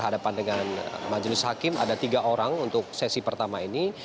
dan majelis hakim ada tiga orang untuk sesi pertama ini